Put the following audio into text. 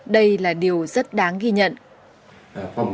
đây là điều rất đáng ghi nhận